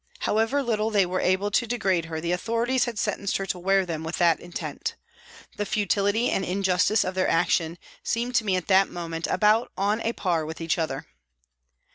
However little they were able to degrade her, the authorities had sentenced her to wear them with that intent. The futility and injustice of their action seemed to me at that moment about on a par with each other.